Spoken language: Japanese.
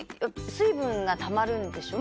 水分がたまるんでしょ？